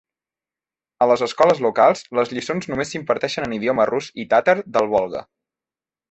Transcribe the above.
A les escoles locals, les lliçons només s'imparteixen en idioma rus i tàtar del Volga.